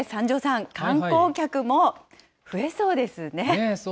そして三條さん、観光客も増えそうですね。